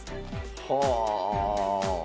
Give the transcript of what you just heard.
はあ！